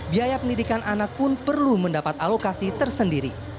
biaya pendidikan anak pun perlu mendapat alokasi tersendiri